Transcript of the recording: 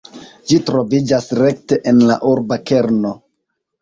Ĝi troviĝas rekte en la urba kerno.